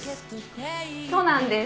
そうなんです。